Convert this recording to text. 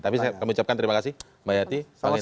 tapi saya ucapkan terima kasih mbak yati bang hendri